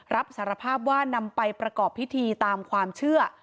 รับสารภาพว่านำไปประกอบพิธีตามความเชื่อ